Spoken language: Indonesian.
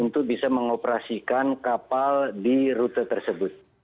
untuk bisa mengoperasikan kapal di rute tersebut